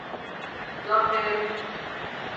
زَق ار